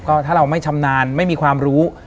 ก็ถ้าเราไม่ชำนาญไม่มีความรู้